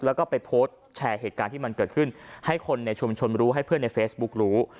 แล้วก็ไปโพสต์แชร์เหตุการณ์ที่มันเกิดขึ้นให้คนในชุมชนรู้ให้เพื่อนในเฟซบุ๊กรู้